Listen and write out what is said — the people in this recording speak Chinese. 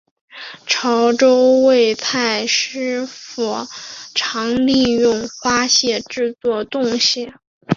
潮洲味菜师傅常利用花蟹制作冻蟹。